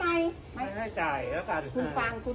แม่งนี่ฉันออกไปมาลงอยู่